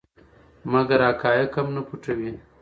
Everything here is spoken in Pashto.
مګر حقایق هم نه پټوي.